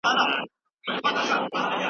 ګوندي تاسي راسئ او موږ خوشحاله سو.